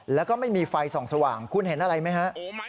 แล้วก็ไม่มีไฟส่องสว่างคุณเห็นอะไรไหมฮะ